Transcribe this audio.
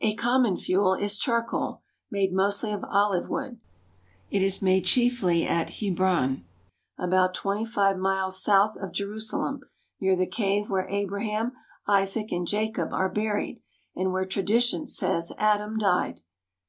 A common fuel is charcoal, made mostly of olive wood. It is made chiefly at Hebron, about twenty three miles south of Jerusalem, near the cave where Abraham, Isaac, and Jacob are buried and where tradition says Adam died.